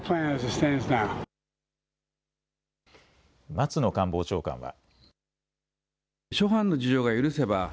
松野官房長官は。